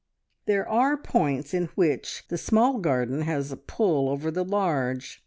There are points in which the small garden has a pull over the large.